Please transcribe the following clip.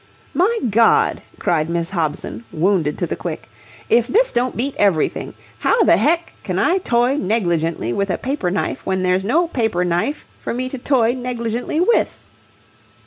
"My God!" cried Miss Hobson, wounded to the quick. "If this don't beat everything! How the heck can I toy negligently with a paper knife when there's no paper knife for me to toy negligently with?"